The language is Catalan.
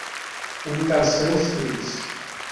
Un dels seus fills.